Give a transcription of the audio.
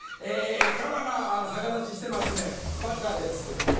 カバが逆立ちしてますねバカです。